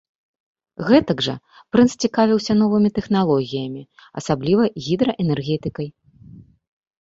Гэтак жа прынц цікавіўся новымі тэхналогіямі, асабліва гідраэнергетыкай.